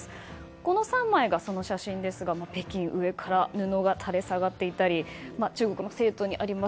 この３枚がその写真ですが北京、上から布が垂れ下がっていたり中国の成都にあります